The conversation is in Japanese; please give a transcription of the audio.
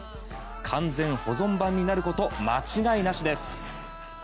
完全保存版になること間違いなしです！